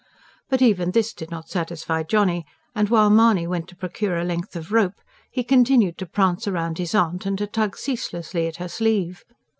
But even this did not satisfy Johnny; and while Mahony went to procure a length of rope, he continued to prance round his aunt and to tug ceaselessly at her sleeve.